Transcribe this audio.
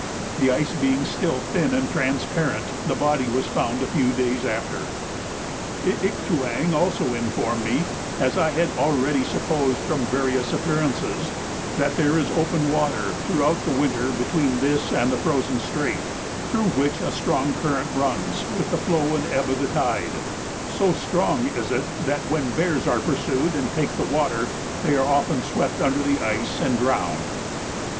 The ice being still thin and transparent, the body was found a few days after. I ik tu ang also informed me as I had already supposed from various appearances that there is open water throughout the winter between this and the Frozen Strait, through which a strong current runs with the flow and ebb of the tide, so strong is it that when bears are pursued and take the water, they are often swept under the ice and drowned.